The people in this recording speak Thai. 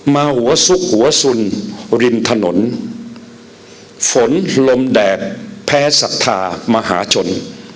มาหัวซุกหัวสุนริมถนนฝนลมแดดแพ้ศรัทธามหาชน